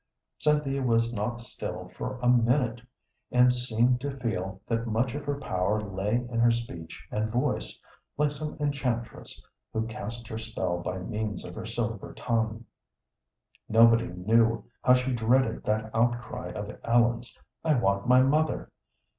Cynthia was not still for a minute, and seemed to feel that much of her power lay in her speech and voice, like some enchantress who cast her spell by means of her silver tongue. Nobody knew how she dreaded that outcry of Ellen's, "I want my mother!"